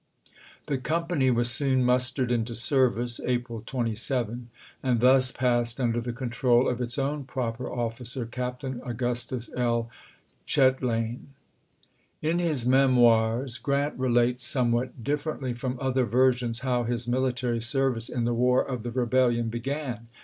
The company was soon MCCLELLAN AND GEANT 287 mustered into service (April 27), and tlius passed chap. xvi. under the control of its own proper officer, Captain Augustus L. Chetlain. In his "Memoirs" Grant relates somewhat differ ently from other versions how his military service in the War of the Rebellion began.